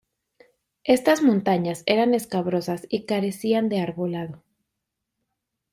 Estas montañas eran escabrosas y carecían de arbolado.